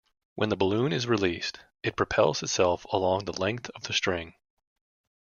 When the balloon is released, it propels itself along the length of the string.